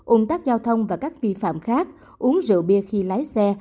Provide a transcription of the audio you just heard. ung tác giao thông và các vi phạm khác uống rượu bia khi lái xe